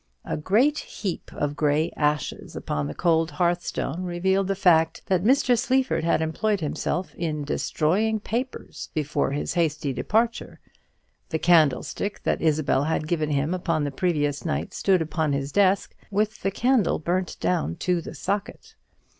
A great heap of grey ashes upon the cold hearthstone revealed the fact that Mr. Sleaford had employed himself in destroying papers before his hasty departure. The candlestick that Isabel had given him upon the previous night stood upon his desk, with the candle burnt down to the socket.